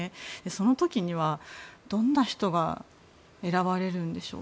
その時はどんな人が選ばれるんでしょう？